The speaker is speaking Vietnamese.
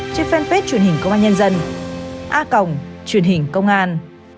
trên fanpage truyền hình công an nhân dân